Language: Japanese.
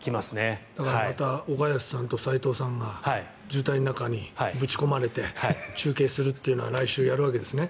だから、また岡安さんと齋藤さんが渋滞の中にぶち込まれて中継するっていうのを来週やるわけですね。